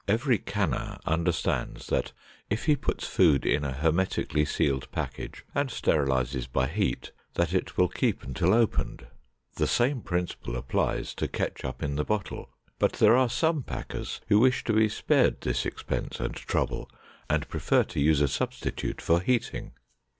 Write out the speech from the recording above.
Every canner understands that if he puts food in a hermetically sealed package and sterilizes by heat, that it will keep until opened. The same principle applies to ketchup in the bottle, but there are some packers who wish to be spared this expense and trouble and prefer to use a substitute for heating.